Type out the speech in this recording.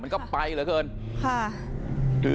มันก็ไปเลยเพิ่งค่ะ